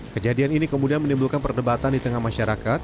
kejadian ini kemudian menimbulkan perdebatan di tengah masyarakat